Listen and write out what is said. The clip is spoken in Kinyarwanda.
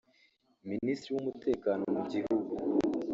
Minisitiri w’umutekano mu gihugu